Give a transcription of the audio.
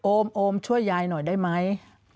โอมโอมช่วยยายหน่อยได้ไหม